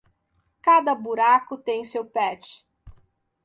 Cada buraco tem seu patch.